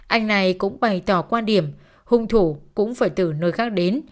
anh này cũng bày tỏ quan điểm hung thủ cũng phải từ nơi khác đến